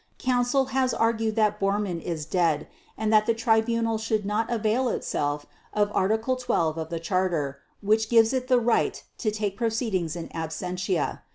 Counsel has argued that Bormann is dead and that the Tribunal should not avail itself of Article 12 of the Charter, which gives it the right to take proceedings in absentia.